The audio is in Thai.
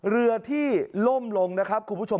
เรือที่ล่มลงนะครับคุณผู้ชม